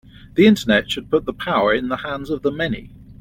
The Internet should put the power in the hands of the many.